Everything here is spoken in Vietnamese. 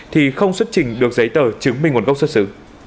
thì không xuất trình được giấy tờ chứng minh nguồn gốc xuất xứ